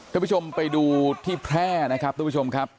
ท่านผู้ชมไปดูที่แพร่นะครับทุกผู้ชมครับ